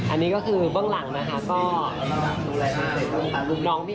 อันนี้ก็คือน้องหื้อหล่อจังเลยนุ่ม